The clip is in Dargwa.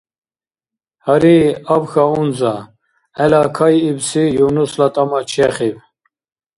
— Гьари абхьа унза, — гӀела кайибси Юнусла тӀама чехиб.